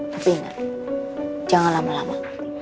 tapi ingat jangan lama lama